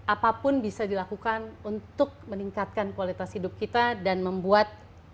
apapun bisa dilakukan untuk meningkatkan kualitas hidup kita dan membuat indonesia lebih baik